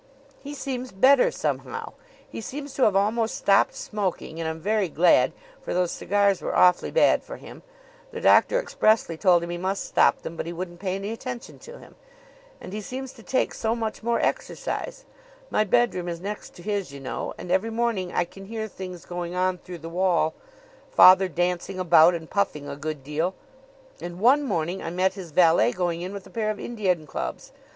"He seems better somehow. He seems to have almost stopped smoking and I'm very glad, for those cigars were awfully bad for him. The doctor expressly told him he must stop them, but he wouldn't pay any attention to him. And he seems to take so much more exercise. My bedroom is next to his, you know, and every morning I can hear things going on through the wall father dancing about and puffing a good deal. And one morning I met his valet going in with a pair of Indian clubs.